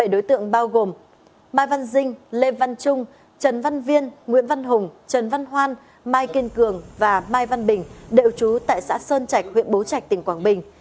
bảy đối tượng bao gồm mai văn dinh lê văn trung trần văn viên nguyễn văn hùng trần văn hoan mai kiên cường và mai văn bình đều trú tại xã sơn trạch huyện bố trạch tỉnh quảng bình